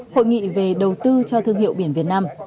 hội nghị về đầu tư cho thương hiệu biển việt nam